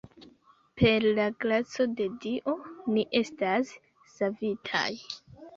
Per la graco de Dio, ni estas savitaj.